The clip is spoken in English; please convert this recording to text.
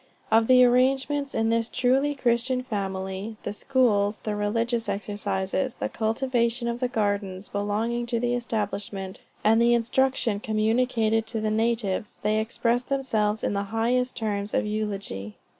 Of the arrangements in this truly Christian family the schools, the religious exercises, the cultivation of the gardens belonging to the establishment, and the instruction communicated to the natives, they express themselves in the highest terms of eulogy.